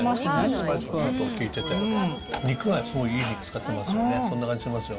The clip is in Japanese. スパイスが効いてて、肉がすごいいい肉を使っていますよね。